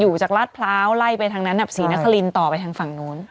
จากลาดพร้าวไล่ไปทางนั้นศรีนครินต่อไปทางฝั่งนู้น